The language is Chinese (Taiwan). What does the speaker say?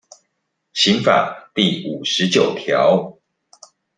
刑法第五十九條